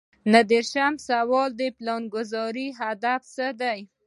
نهه دېرشم سوال د پلانګذارۍ هدف څه دی.